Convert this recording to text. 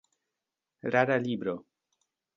Rara libro.